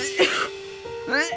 aduh batu gak kelar kelar ini